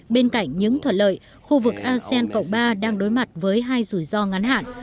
bên cạnh những thuận lợi khu vực asean cộng ba đang đối mặt với hai rủi ro ngắn hạn